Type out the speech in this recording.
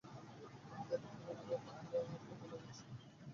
তাহাদের গৃহের আনন্দ তাহারা পথে লইয়া আসে।